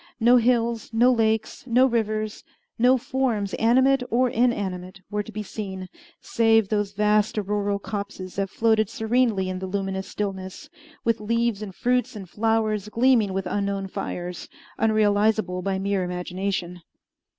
No hills, no lakes, no rivers, no forms animate or inanimate, were to be seen, save those vast auroral copses that floated serenely in the luminous stillness, with leaves and fruits and flowers gleaming with unknown fires, unrealizable by mere imagination.